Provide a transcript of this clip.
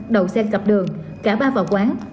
đầu xe cặp đường cả ba vào quán